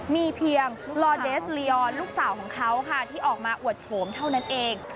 มีเพียงลอเดสลียอนลูกสาวของเขาค่ะที่ออกมาอวดโฉมเท่านั้นเอง